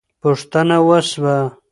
پوښتنه وسوه.